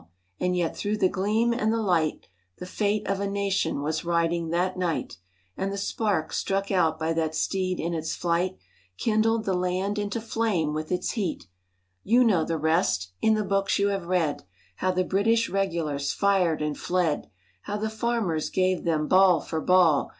and yet through the gleam and the light The fate of a nation was riding that night; And the spark struck out by that steed in its flight Kindled the land into flame with its heat. ... You know the rest. In the books you have read How the British regulars fired and fled, — How the farmers gave them ball for ball.